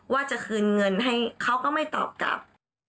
ว่าจะคืนเงินให้เขาก็ไม่ตอบกลับ